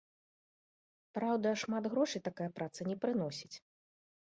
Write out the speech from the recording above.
Праўда, шмат грошай такая праца не прыносіць.